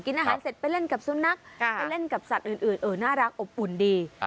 อาหารเสร็จไปเล่นกับสุนัขไปเล่นกับสัตว์อื่นเออน่ารักอบอุ่นดี